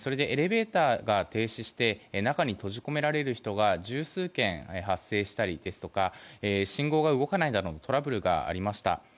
エレベーターが停止して中に閉じ込められる人が十数件発生したりですとか信号が動かないなどのトラブルがありました。